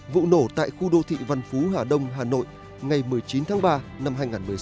vụ nổ tại khu đô thị văn phú hà đông hà nội ngày một mươi chín tháng ba năm hai nghìn một mươi sáu